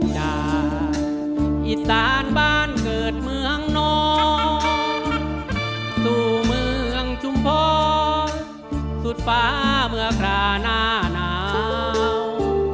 จากอีสานบ้านเกิดเมืองน้องสู่เมืองชุมพรสุดฟ้าเมื่อกราหน้าหนาว